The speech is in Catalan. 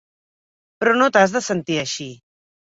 Però no t'has de sentir així.